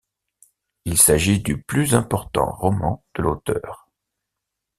Il s'agit du plus important roman de l'auteure.